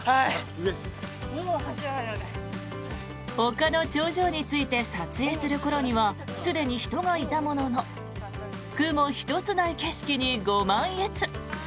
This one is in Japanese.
丘の頂上に着いて撮影する頃にはすでに人がいたものの雲一つない景色にご満悦。